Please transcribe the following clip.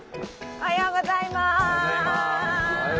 おはようございます！